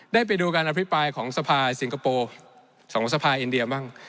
ได้ไปดูการอภิปัยของสภาษณ์สิงคโปร์สภาษณ์สภาษณ์อินเดียบ้าง